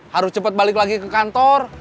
harus cepat balik lagi ke kantor